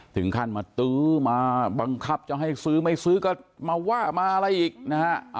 ถึงขั้นมาตื้อมาบังคับจะให้ซื้อไม่ซื้อก็มาว่ามาอะไรอีกนะฮะ